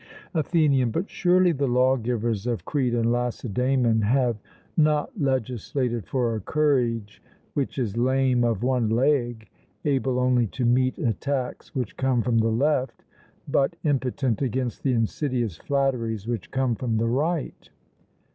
ATHENIAN: But surely the lawgivers of Crete and Lacedaemon have not legislated for a courage which is lame of one leg, able only to meet attacks which come from the left, but impotent against the insidious flatteries which come from the right?